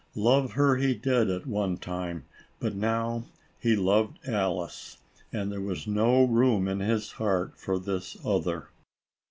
Love her he did, at one time, but now he loved Alice, and there was no room in his heart for this other.